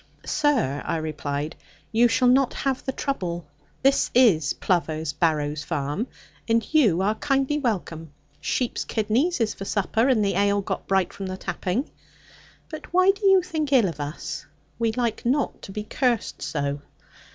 'Sir,' I replied, 'you shall not have the trouble. This is Plover's Barrows farm, and you are kindly welcome. Sheep's kidneys is for supper, and the ale got bright from the tapping. But why do you think ill of us? We like not to be cursed so.'